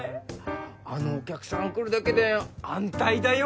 あのお客さん来るだけで安泰だよ